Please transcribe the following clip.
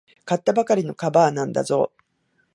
買ったばかりのカバーなんだぞ。